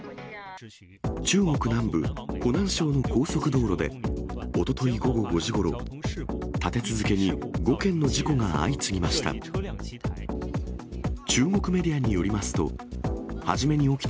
中国南部湖南省の高速道路で、おととい午後５時ごろ、立て続けに５件の事故が相次ぎました。